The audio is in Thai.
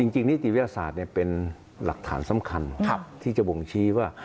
นิติวิทยาศาสตร์เป็นหลักฐานสำคัญที่จะบ่งชี้ว่า